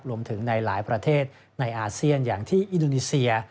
ในหลายประเทศในอาเซียนอย่างที่อินโดนีเซีย